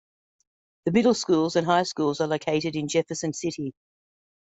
The middle schools and high schools are located in Jefferson City.